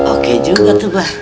oke juga tuh abah